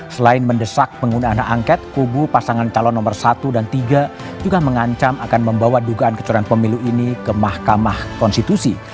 selain mendesak penggunaan hak angket kubu pasangan calon nomor satu dan tiga juga mengancam akan membawa dugaan kecurangan pemilu ini ke mahkamah konstitusi